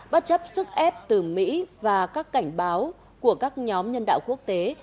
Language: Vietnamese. bất chấp sức ép từ mỹ và các cảnh báo của các nhóm nhân đạo quốc tế